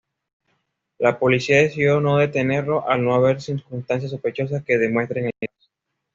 La Policía decidió no detenerlo al no haber circunstancias sospechosas que demuestren el caso.